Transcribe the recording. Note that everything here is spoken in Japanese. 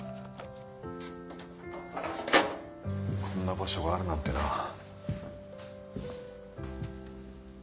こんな場所があるなんてな。